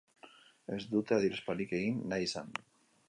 Ez dute adierazpenik egin nahi izan.